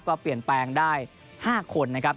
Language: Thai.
ก็เปลี่ยนแปลงได้๕คนนะครับ